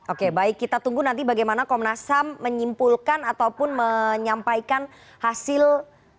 oke baik kita tunggu nanti bagaimana komnas ham menyimpulkan ataupun menyampaikan hasil pemeriksaan terhadap para pemerintah